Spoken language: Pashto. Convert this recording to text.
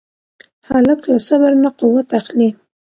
هلک له صبر نه قوت اخلي.